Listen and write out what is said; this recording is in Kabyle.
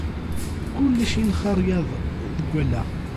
Kullec yenxaryaḍ deg wallaɣ.